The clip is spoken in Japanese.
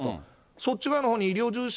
そっち側のほうに医療従事者